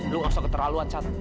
lu langsung keterlaluan sat